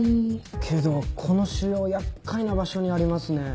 けどこの腫瘍厄介な場所にありますね。